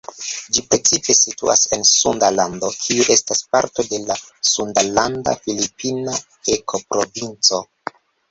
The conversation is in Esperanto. Ĝi precipe situas en Sunda Lando, kiu estas parto de la sundalanda-filipina ekoprovinco.